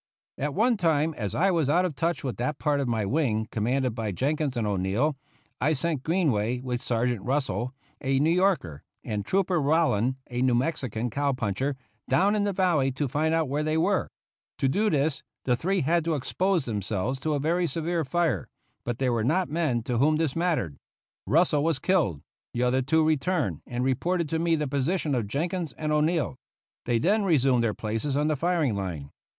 At one time, as I was out of touch with that part of my wing commanded by Jenkins and O'Neill, I sent Greenway, with Sergeant Russell, a New Yorker, and trooper Rowland, a New Mexican cow puncher, down in the valley to find out where they were. To do this the three had to expose themselves to a very severe fire, but they were not men to whom this mattered. Russell was killed; the other two returned and reported to me the position of Jenkins and O'Neill. They then resumed their places on the firing line.